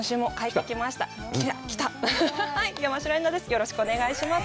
よろしくお願いします。